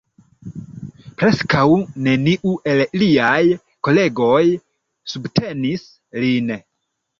Preskaŭ neniu el liaj kolegoj subtenis lin.